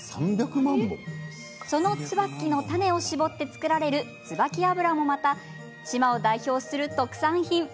その椿の種を搾って作られる椿油もまた、島を代表する特産品。